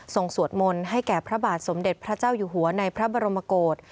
สวดมนต์ให้แก่พระบาทสมเด็จพระเจ้าอยู่หัวในพระบรมโกศ